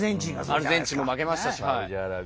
アルゼンチンも負けましたし。